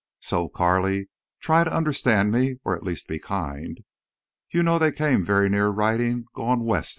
So, Carley, try to understand me, or at least be kind. You know they came very near writing, "Gone west!"